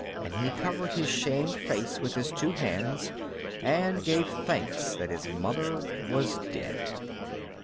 And he covered his shamed face with his two hands and gave thanks that his mother was dead.